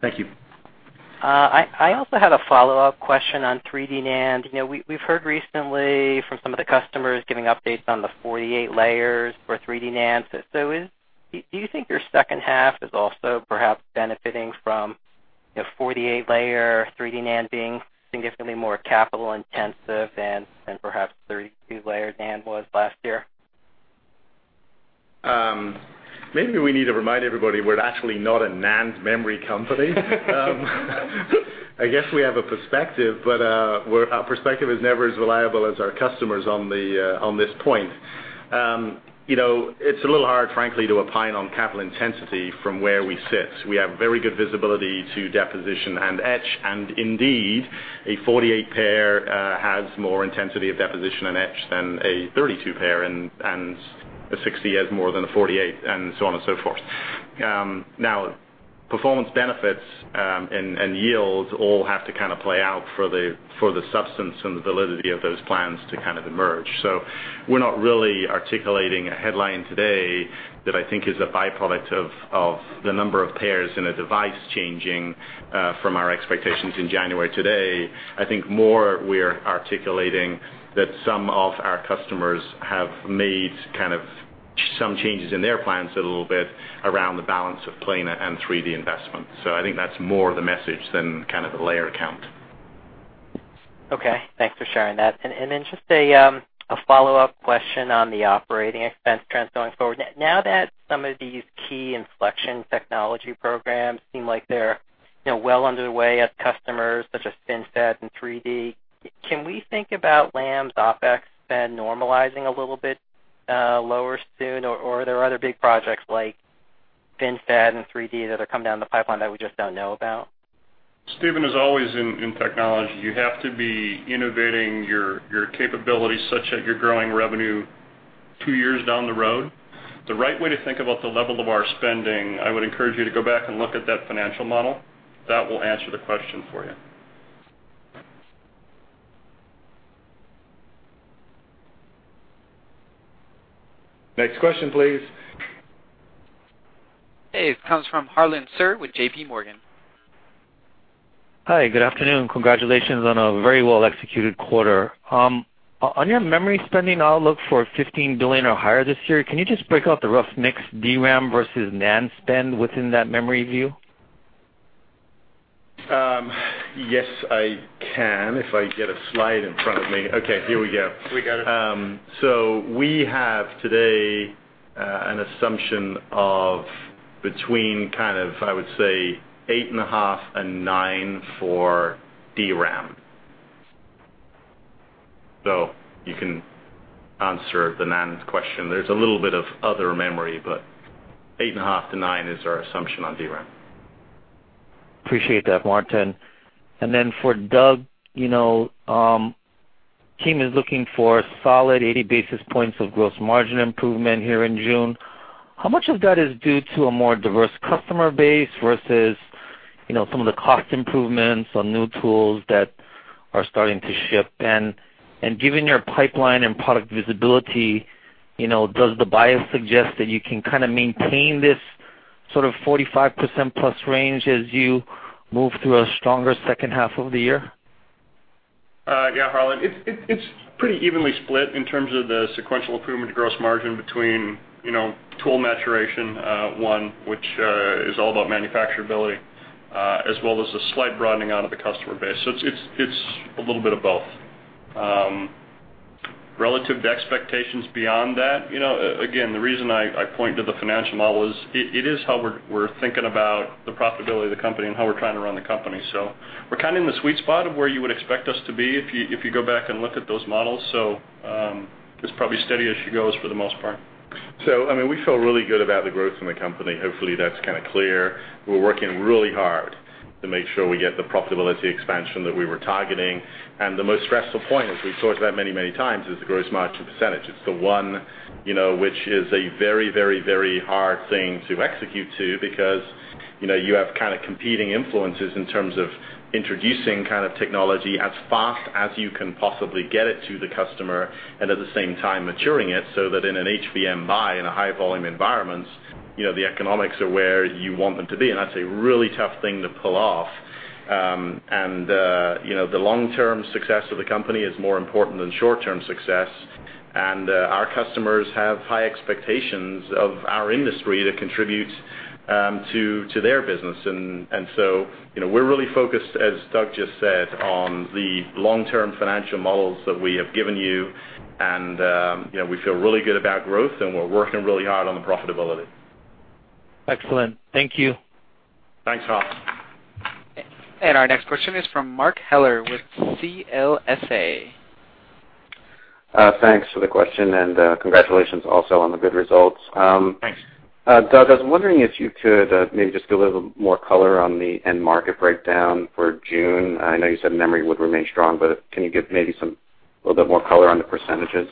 Thank you. I also had a follow-up question on 3D NAND. We've heard recently from some of the customers giving updates on the 48 layers for 3D NAND. Do you think your second half is also perhaps benefiting from 48-layer 3D NAND being significantly more capital-intensive than perhaps 32-layer NAND was last year? Maybe we need to remind everybody we're actually not a NAND memory company. I guess we have a perspective, but our perspective is never as reliable as our customers on this point. It's a little hard, frankly, to opine on capital intensity from where we sit. We have very good visibility to deposition and etch, and indeed, a 48-pair has more intensity of deposition and etch than a 32-pair, and a 60 has more than a 48, and so on and so forth. Performance benefits and yields all have to kind of play out for the substance and the validity of those plans to kind of emerge. We're not really articulating a headline today that I think is a byproduct of the number of pairs in a device changing from our expectations in January today. I think more we're articulating that some of our customers have made some changes in their plans a little bit around the balance of planar and 3D investments. I think that's more the message than kind of the layer count. Okay. Thanks for sharing that. Just a follow-up question on the operating expense trends going forward. Now that some of these key inflection technology programs seem like they're well underway at customers, such as FinFET and 3D, can we think about Lam's OpEx spend normalizing a little bit lower soon? Are there other big projects like FinFET and 3D that are coming down the pipeline that we just don't know about? Stephen, as always in technology, you have to be innovating your capabilities such that you're growing revenue two years down the road. The right way to think about the level of our spending, I would encourage you to go back and look at that financial model. That will answer the question for you. Next question, please. Hey, this comes from Harlan Sur with JPMorgan. Hi, good afternoon. Congratulations on a very well-executed quarter. On your memory spending outlook for $15 billion or higher this year, can you just break out the rough mix DRAM versus NAND spend within that memory view? Yes, I can if I get a slide in front of me. Okay, here we go. We got it. We have today, an assumption of between kind of, I would say, eight and a half and nine for DRAM. You can answer the NAND question. There's a little bit of other memory, but eight and a half to nine is our assumption on DRAM. Appreciate that, Martin. For Doug, team is looking for a solid 80 basis points of gross margin improvement here in June. How much of that is due to a more diverse customer base versus some of the cost improvements on new tools that are starting to ship? Given your pipeline and product visibility, does the bias suggest that you can kind of maintain this sort of 45% plus range as you move through a stronger second half of the year? Yeah, Harlan, it's pretty evenly split in terms of the sequential improvement gross margin between tool maturation one, which is all about manufacturability, as well as the slight broadening out of the customer base. It's a little bit of both. Relative to expectations beyond that, again, the reason I point to the financial model is it is how we're thinking about the profitability of the company and how we're trying to run the company. We're kind of in the sweet spot of where you would expect us to be if you go back and look at those models. It's probably steady as she goes for the most part. I mean, we feel really good about the growth in the company. Hopefully, that's kind of clear. We're working really hard to make sure we get the profitability expansion that we were targeting. The most stressful point, as we've talked about many, many times, is the gross margin percentage. It's the one which is a very, very, very hard thing to execute to because you have kind of competing influences in terms of introducing technology as fast as you can possibly get it to the customer, and at the same time maturing it so that in an HVM buy, in a high volume environments, the economics are where you want them to be. That's a really tough thing to pull off. The long-term success of the company is more important than short-term success, and our customers have high expectations of our industry to contribute to their business. We're really focused, as Doug just said, on the long-term financial models that we have given you, and we feel really good about growth, and we're working really hard on the profitability. Excellent. Thank you. Thanks, Harlan. Our next question is from Mark Heller with CLSA. Thanks for the question and congratulations also on the good results. Thanks. Doug, I was wondering if you could maybe just give a little more color on the end market breakdown for June. I know you said memory would remain strong, but can you give maybe a little bit more color on the percentages?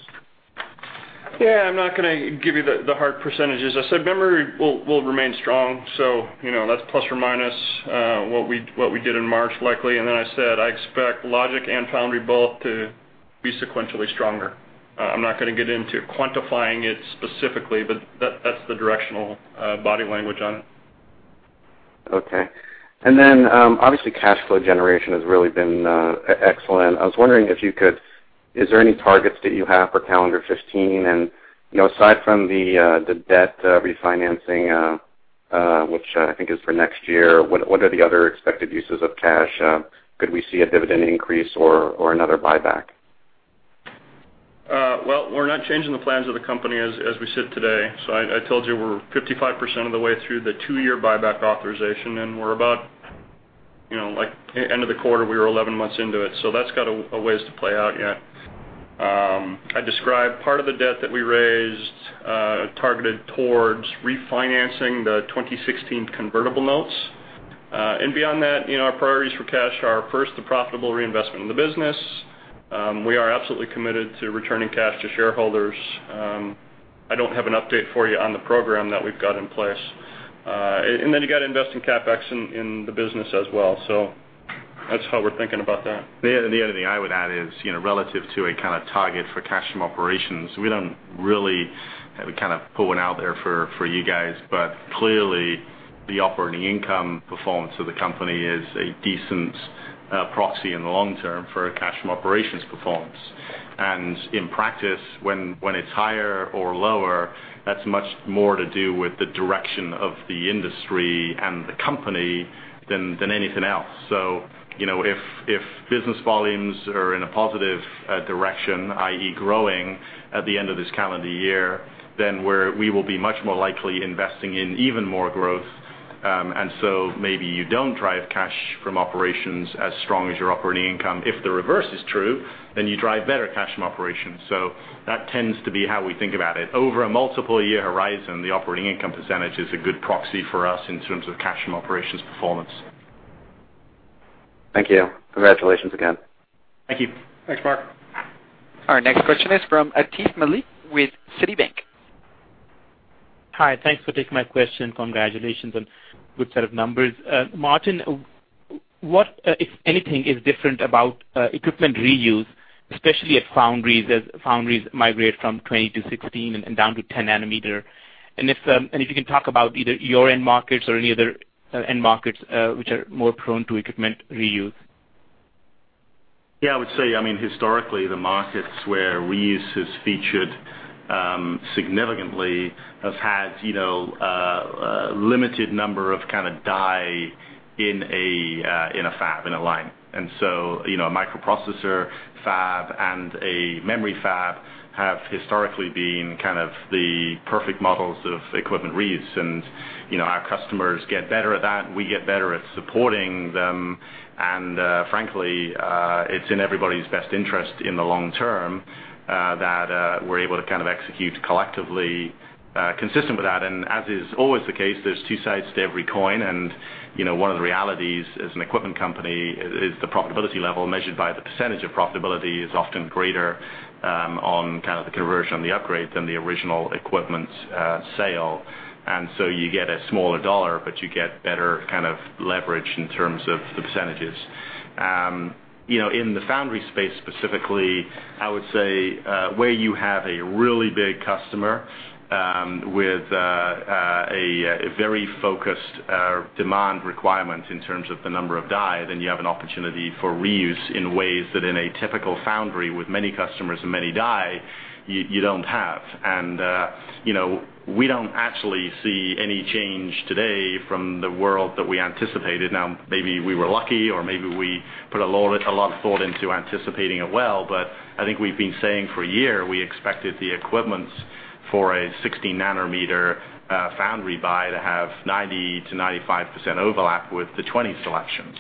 I'm not going to give you the hard percentages. I said memory will remain strong. That's plus or minus what we did in March, likely. I said I expect logic and foundry both to be sequentially stronger. I'm not going to get into quantifying it specifically, but that's the directional body language on it. Okay. Cash flow generation has really been excellent. I was wondering, is there any targets that you have for calendar 2015? Aside from the debt refinancing, which I think is for next year, what are the other expected uses of cash? Could we see a dividend increase or another buyback? Well, we're not changing the plans of the company as we sit today. I told you we're 55% of the way through the two-year buyback authorization, and we're about, like end of the quarter, we were 11 months into it. That's got a ways to play out yet. I described part of the debt that we raised targeted towards refinancing the 2016 convertible notes. Beyond that, our priorities for cash are first, the profitable reinvestment in the business. We are absolutely committed to returning cash to shareholders. I don't have an update for you on the program that we've got in place. Then you got to invest in CapEx in the business as well. That's how we're thinking about that. The only other thing I would add is, relative to a kind of target for cash from operations, we don't really have a kind of pulling out there for you guys, but clearly the operating income performance of the company is a decent proxy in the long term for cash from operations performance. In practice, when it's higher or lower, that's much more to do with the direction of the industry and the company than anything else. If business volumes are in a positive direction, i.e. growing at the end of this calendar year, then we will be much more likely investing in even more growth. Maybe you don't drive cash from operations as strong as your operating income. If the reverse is true, then you drive better cash from operations. That tends to be how we think about it. Over a multiple year horizon, the operating income % is a good proxy for us in terms of cash from operations performance. Thank you. Congratulations again. Thank you. Thanks, Mark. Our next question is from Atif Malik with Citi. Hi. Thanks for taking my question. Congratulations on good set of numbers. Martin, what, if anything, is different about equipment reuse, especially at foundries, as foundries migrate from 20 to 16 and down to 10 nanometer? If you can talk about either your end markets or any other end markets which are more prone to equipment reuse? I would say, historically, the markets where reuse has featured significantly have had a limited number of kind of die in a fab, in a line. A microprocessor fab and a memory fab have historically been kind of the perfect models of equipment reuse. Our customers get better at that, and we get better at supporting them. Frankly, it's in everybody's best interest in the long term that we're able to kind of execute collectively consistent with that. As is always the case, there's two sides to every coin, and one of the realities as an equipment company is the profitability level measured by the percentage of profitability is often greater on the conversion on the upgrade than the original equipment sale. You get a smaller dollar, but you get better kind of leverage in terms of the percentages. In the foundry space specifically, I would say, where you have a really big customer with a very focused demand requirement in terms of the number of die, then you have an opportunity for reuse in ways that in a typical foundry with many customers and many die, you don't have. We don't actually see any change today from the world that we anticipated. Now, maybe we were lucky, or maybe we put a lot of thought into anticipating it well, but I think we've been saying for a year, we expected the equipment for a 16-nanometer foundry buy to have 90%-95% overlap with the 20 selections.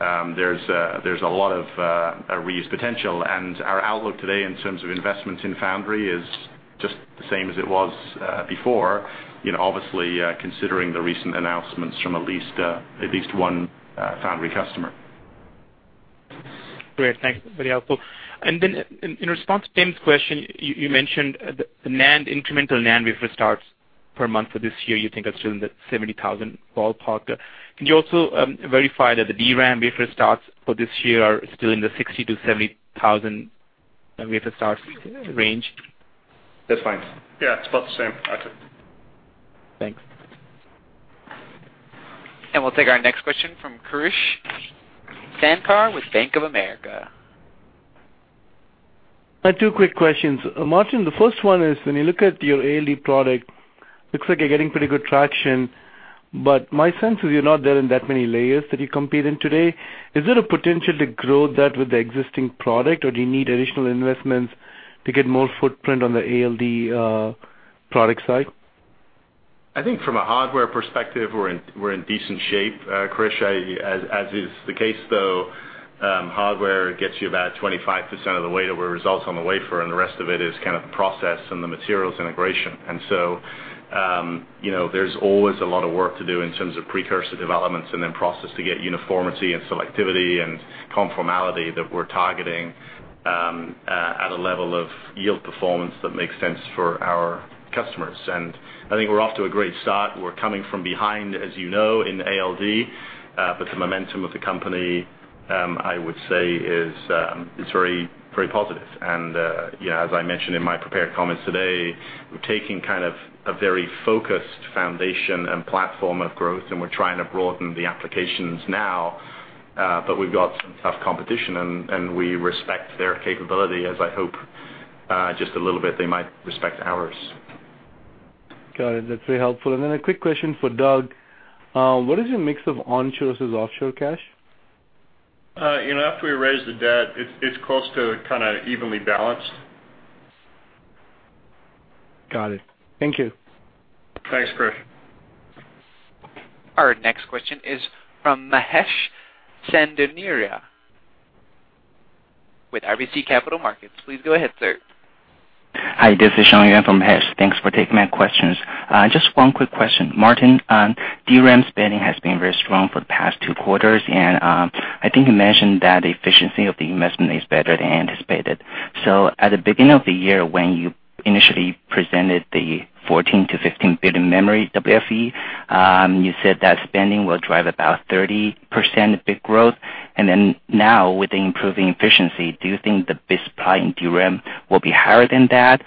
There's a lot of reuse potential, and our outlook today in terms of investments in foundry is just the same as it was before. Obviously, considering the recent announcements from at least one foundry customer. Great. Thanks. Very helpful. In response to Tim's question, you mentioned the incremental NAND wafer starts per month for this year, you think that's still in the 70,000 ballpark. Can you also verify that the DRAM wafer starts for this year are still in the 60,000-70,000 wafer starts range? That's fine. Yeah, it's about the same, Atif. Thanks. We'll take our next question from Krish Sankar with Bank of America. I have two quick questions. Martin, the first one is, when you look at your ALD product, looks like you're getting pretty good traction, but my sense is you're not there in that many layers that you compete in today. Is there a potential to grow that with the existing product, or do you need additional investments to get more footprint on the ALD product side? I think from a hardware perspective, we're in decent shape, Krish. As is the case, though, hardware gets you about 25% of the way to where it results on the wafer, and the rest of it is kind of the process and the materials integration. There's always a lot of work to do in terms of precursor developments and then process to get uniformity and selectivity and conformality that we're targeting at a level of yield performance that makes sense for our customers. I think we're off to a great start. We're coming from behind, as you know, in ALD, the momentum of the company, I would say, is very positive. As I mentioned in my prepared comments today, we're taking kind of a very focused foundation and platform of growth, we're trying to broaden the applications now, we've got some tough competition, we respect their capability as I hope, just a little bit, they might respect ours. Got it. That's very helpful. A quick question for Doug. What is your mix of onshore versus offshore cash? After we raise the debt, it's close to kind of evenly balanced. Got it. Thank you. Thanks, Krish. Our next question is from Mahesh Sanganeria with RBC Capital Markets. Please go ahead, sir. Hi, this is [Shanyang for Hesh. Thanks for taking my questions. Just one quick question. Martin, DRAM spending has been very strong for the past two quarters, and I think you mentioned that the efficiency of the investment is better than anticipated. At the beginning of the year, when you initially presented the $14 billion-$15 billion memory WFE, you said that spending will drive about 30% bit growth. Now, with the improving efficiency, do you think the bit supply in DRAM will be higher than that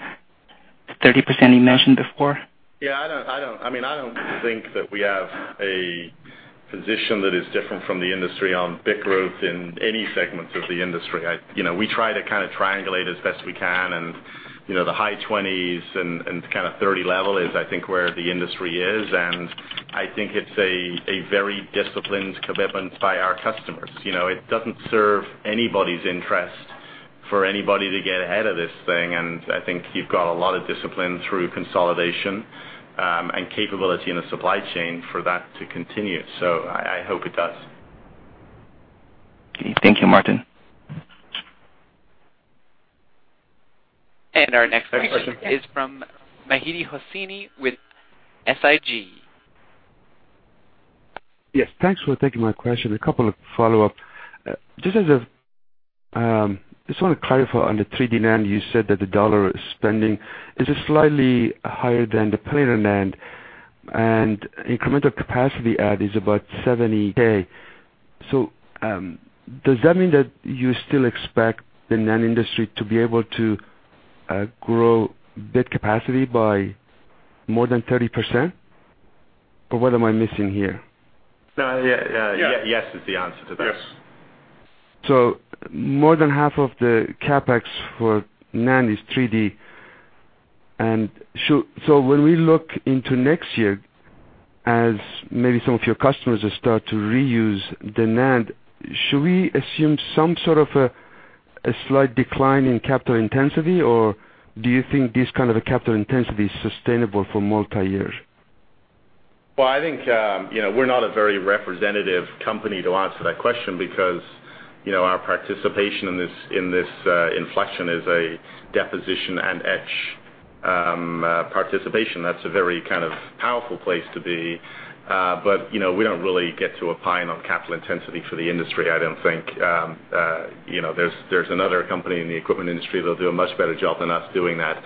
30% you mentioned before? Yeah, I don't think that we have a position that is different from the industry on bit growth in any segments of the industry. We try to kind of triangulate as best we can, and the high 20s and kind of 30 level is, I think, where the industry is, and I think it's a very disciplined commitment by our customers. It doesn't serve anybody's interest for anybody to get ahead of this thing, and I think you've got a lot of discipline through consolidation and capability in the supply chain for that to continue. I hope it does. Okay. Thank you, Martin. Our next question is from Mehdi Hosseini with SIG. Yes, thanks for taking my question. A couple of follow-up. Just want to clarify on the 3D NAND, you said that the dollar spending is slightly higher than the planar NAND, and incremental capacity add is about 70K. Does that mean that you still expect the NAND industry to be able to grow bit capacity by more than 30%? What am I missing here? No, yeah. Yes. Yes is the answer to that. Yes. More than half of the CapEx for NAND is 3D. When we look into next year, as maybe some of your customers start to reuse the NAND, should we assume some sort of a slight decline in capital intensity, or do you think this kind of a capital intensity is sustainable for multi-years? Well, I think, we're not a very representative company to answer that question because our participation in this inflection is a deposition and etch participation. That's a very powerful place to be. We don't really get to opine on capital intensity for the industry, I don't think. There's another company in the equipment industry that'll do a much better job than us doing that.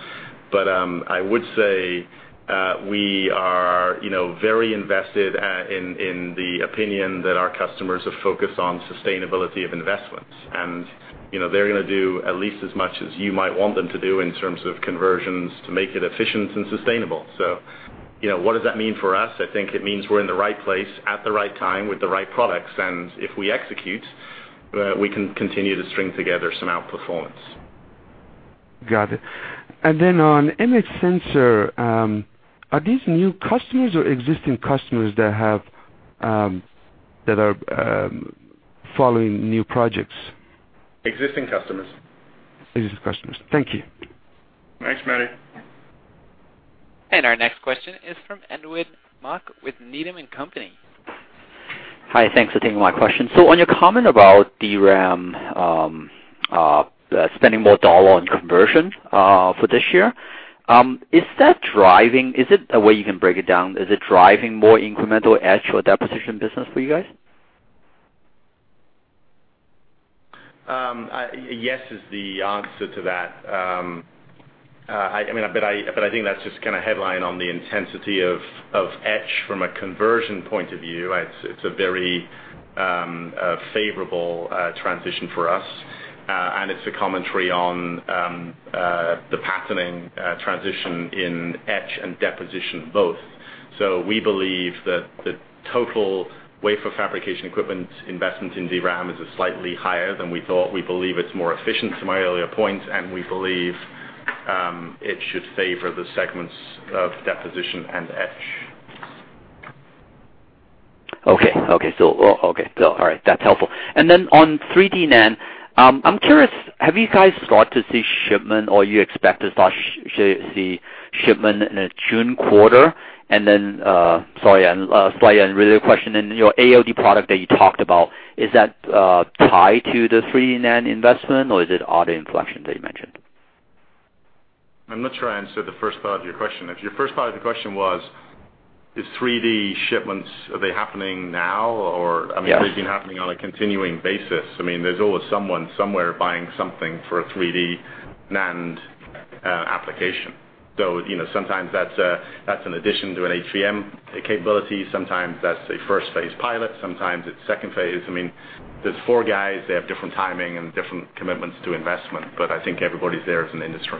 I would say, we are very invested in the opinion that our customers are focused on sustainability of investments. They're going to do at least as much as you might want them to do in terms of conversions to make it efficient and sustainable. What does that mean for us? I think it means we're in the right place at the right time with the right products. If we execute, we can continue to string together some outperformance. Got it. On image sensor, are these new customers or existing customers that are following new projects? Existing customers. Existing customers. Thank you. Thanks, Mehdi. Our next question is from Edwin Mok with Needham & Company. Hi, thanks for taking my question. On your comment about DRAM, spending more dollars on conversion for this year, Is it a way you can break it down? Is it driving more incremental etch or deposition business for you guys? Yes is the answer to that. I think that's just headline on the intensity of etch from a conversion point of view. It's a very favorable transition for us. It's a commentary on the patterning transition in etch and deposition both. We believe that the total wafer fabrication equipment investment in DRAM is slightly higher than we thought. We believe it's more efficient, to my earlier point, and we believe it should favor the segments of deposition and etch. Okay. Okay. All right. That's helpful. On 3D NAND, I'm curious, have you guys started to see shipment or you expect to start to see shipment in the June quarter? Then, sorry, slightly unrelated question, in your ALD product that you talked about, is that tied to the 3D NAND investment or is it other inflection that you mentioned? I'm not sure I answered the first part of your question. If your first part of the question was, is 3D shipments, are they happening now or- Yes I mean, they've been happening on a continuing basis. There's always someone somewhere buying something for a 3D NAND application. Sometimes that's an addition to an HVM capability. Sometimes that's a first-phase pilot. Sometimes it's second phase. There's four guys, they have different timing and different commitments to investment. I think everybody's there as an industry.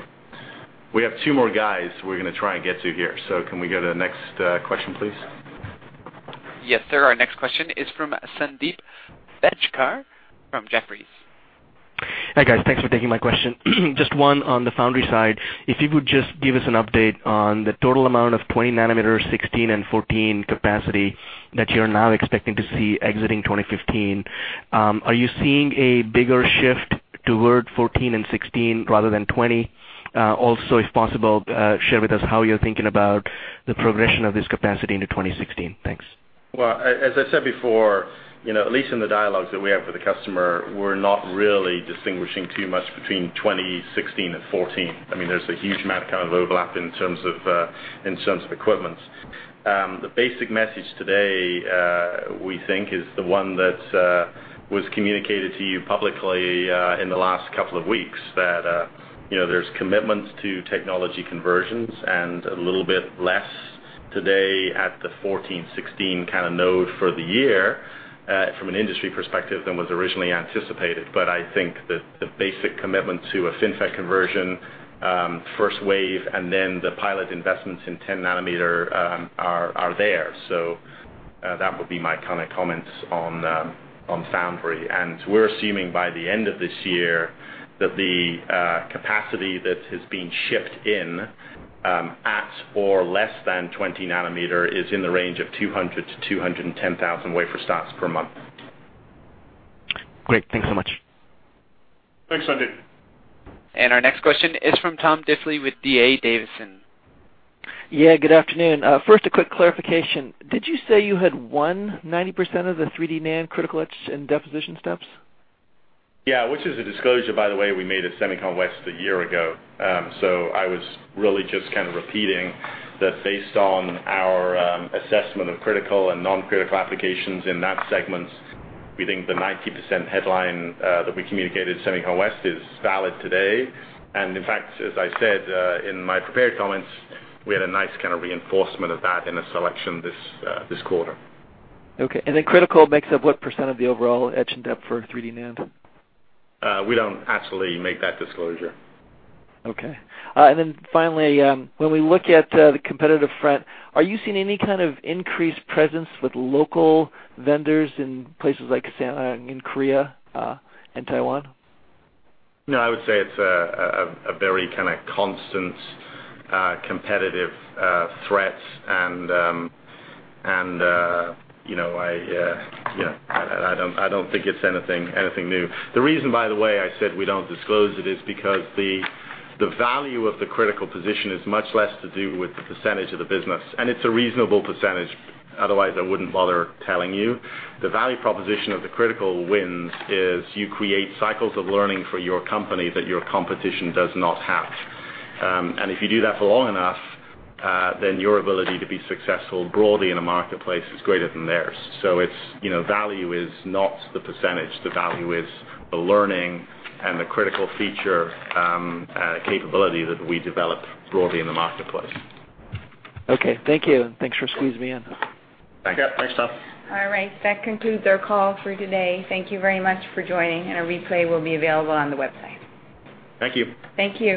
We have two more guys we're going to try and get to here. Can we go to the next question, please? Yes, sir. Our next question is from Sandeep Sethi from Jefferies. Hi, guys. Thanks for taking my question. Just one on the foundry side. If you would just give us an update on the total amount of 20 nanometer, 16 and 14 capacity that you're now expecting to see exiting 2015. Are you seeing a bigger shift toward 14 and 16 rather than 20? If possible, share with us how you're thinking about the progression of this capacity into 2016. Thanks. Well, as I said before, at least in the dialogues that we have with the customer, we're not really distinguishing too much between 20, 16, and 14. There's a huge amount of overlap in terms of equipment. The basic message today, we think, is the one that was communicated to you publicly in the last couple of weeks that there's commitments to technology conversions and a little bit less today at the 14, 16 kind of node for the year, from an industry perspective than was originally anticipated. I think that the basic commitment to a FinFET conversion, first wave, and then the pilot investments in 10 nanometer are there. That would be my comments on foundry. We're assuming by the end of this year that the capacity that has been shipped in at or less than 20 nanometer is in the range of 200,000-210,000 wafer starts per month. Great. Thanks so much. Thanks, Sandeep. Our next question is from Tom Diffely with D.A. Davidson. Yeah, good afternoon. First, a quick clarification. Did you say you had won 90% of the 3D NAND critical etch and deposition steps? Yeah. Which is a disclosure, by the way, we made at SEMICON West a year ago. I was really just kind of repeating that based on our assessment of critical and non-critical applications in that segment, we think the 90% headline that we communicated at SEMICON West is valid today. In fact, as I said in my prepared comments, we had a nice kind of reinforcement of that in a selection this quarter. Okay. Critical makes up what % of the overall etch and dep for 3D NAND? We don't actually make that disclosure. Okay. Then finally, when we look at the competitive front, are you seeing any kind of increased presence with local vendors in places like Korea and Taiwan? No, I would say it's a very kind of constant competitive threat, I don't think it's anything new. The reason, by the way, I said we don't disclose it is because the value of the critical position is much less to do with the percentage of the business, it's a reasonable percentage, otherwise I wouldn't bother telling you. The value proposition of the critical wins is you create cycles of learning for your company that your competition does not have. If you do that for long enough, then your ability to be successful broadly in a marketplace is greater than theirs. Value is not the percentage. The value is the learning and the critical feature capability that we develop broadly in the marketplace. Okay. Thank you. Thanks for squeezing me in. Thank you. Yeah. Thanks, Tom. All right. That concludes our call for today. Thank you very much for joining. A replay will be available on the website. Thank you. Thank you.